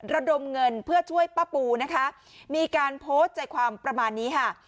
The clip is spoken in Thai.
ระดมเงินเพื่อช่วยป้าปูนะคะมีการโพสต์ใจความประมาณนี้ค่ะ